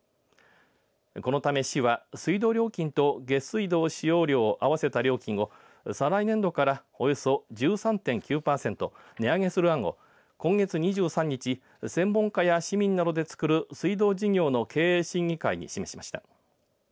このため市は水道料金と下水道使用料をあわせた料金を再来年度からおよそ１３．９パーセント値上げする案を今月２３日専門家や市民などで作る水道事業の経営審議会に示しました。